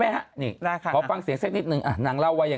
ไม่เคยรู้จักมาก่อนเลยแน่ตัวเนี้ยตอนนี้ตอนนี้ก็บอกว่า